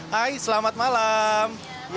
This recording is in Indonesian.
hai selamat malam